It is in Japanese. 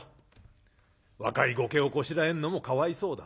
若い後家をこしらえるのもかわいそうだ」